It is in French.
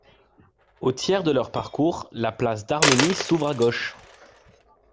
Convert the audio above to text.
Au tiers de leur parcours la Place d'Armènie s'ouvre à gauche.